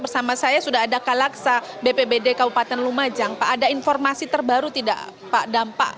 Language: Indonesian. bersama saya sudah ada kalaksa bpbd kabupaten lumajang pak ada informasi terbaru tidak pak dampak